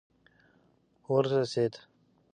ورسېد.